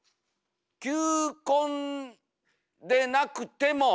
球根でなくても。